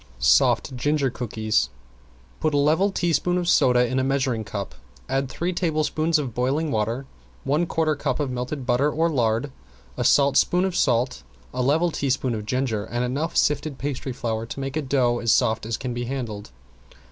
~SOFT GINGER COOKIES~ Put a level teaspoon of soda in a measuring cup, add three tablespoons of boiling water, one quarter cup of melted butter or lard, a saltspoon of salt, a level teaspoon of ginger, and enough sifted pastry flour to make a dough as soft as can be handled.